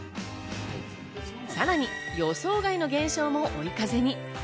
さらに予想外の現象も追い風に。